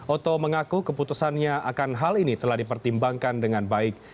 oto mengaku keputusannya akan hal ini telah dipertimbangkan dengan baik